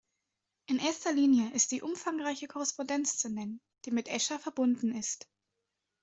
In erster Linie ist die umfangreiche Korrespondenz zu nennen, die mit Escher verbunden ist.